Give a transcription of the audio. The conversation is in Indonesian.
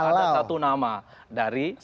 ada satu nama dari